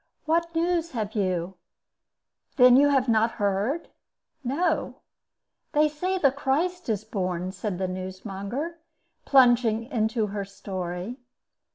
"What news have you?" "Then you have not heard?" "No." "They say the Christ is born," said the newsmonger, plunging into her story.